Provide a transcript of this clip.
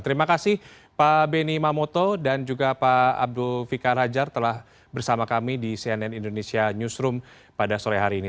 terima kasih pak beni mamoto dan juga pak abdul fikar hajar telah bersama kami di cnn indonesia newsroom pada sore hari ini